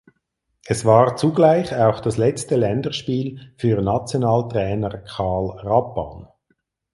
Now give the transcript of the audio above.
Es war zugleich auch das letzte Länderspiel für Nationaltrainer Karl Rappan.